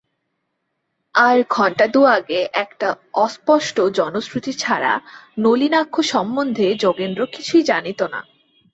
আর ঘণ্টা-দুই আগে একটা অস্পষ্ট জনশ্রুতি ছাড়া নলিনাক্ষ সম্বন্ধে যোগেন্দ্র কিছুই জানিত না।